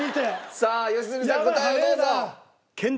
さあ良純さん答えをどうぞ。